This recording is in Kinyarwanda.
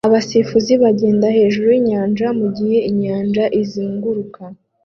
Abasifuzi bagenda hejuru yinyanja mugihe inyanja izunguruka